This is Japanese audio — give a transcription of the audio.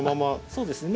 そうですね。